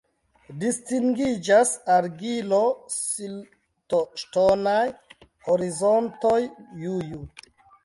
Distingiĝas argilo-siltoŝtonaj horizontoj Ju-Ju.